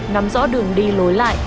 nắm rõ đường đi lối lại